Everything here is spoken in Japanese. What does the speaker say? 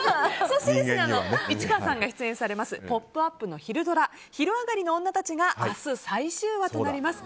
そして市川さんが出演されます「ポップＵＰ！」の昼ドラ「昼上がりのオンナたち」が明日最終話となります。